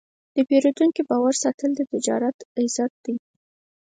د پیرودونکي باور ساتل د تجارت عزت دی.